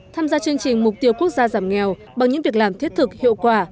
tham gia chương trình mục tiêu quốc gia giảm nghèo bằng những việc làm thiết thực hiệu quả